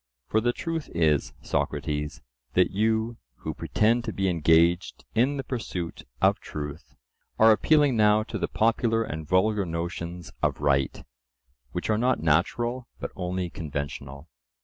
For the truth is, Socrates, that you, who pretend to be engaged in the pursuit of truth, are appealing now to the popular and vulgar notions of right, which are not natural, but only conventional.